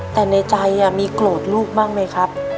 แต่ในใจมีโกรธลูกบ้างไหมครับ